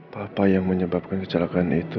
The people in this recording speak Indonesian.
papa yang menyebabkan kecelakaan itu